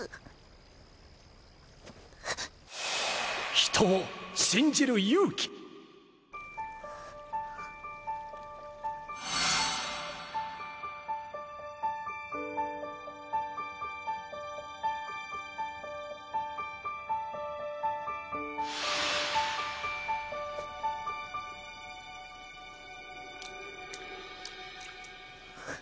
人を信じる勇気くっ。